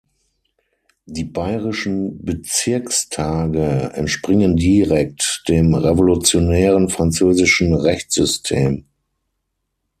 Die bayerischen Bezirkstage entspringen direkt dem revolutionären französischen Rechtssystem.